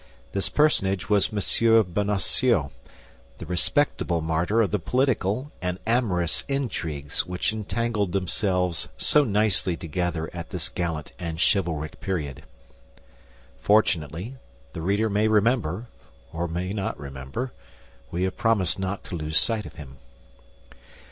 This personage was M. Bonacieux, the respectable martyr of the political and amorous intrigues which entangled themselves so nicely together at this gallant and chivalric period. Fortunately, the reader may remember, or may not remember—fortunately we have promised not to lose sight of him.